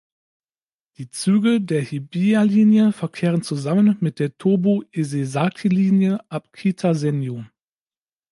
Die Züge der Hibiya-Linie verkehren zusammen mit der Tobu-Isesaki-Linie ab Kita-Senju.